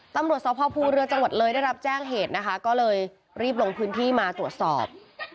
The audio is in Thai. ตำรวจสภภูเรือจังหวัดเลยได้รับแจ้งเหตุนะคะก็เลยรีบลงพื้นที่มาตรวจสอบ